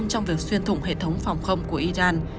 israel đã trả đũa từ xuyên thủng hệ thống phòng không của iran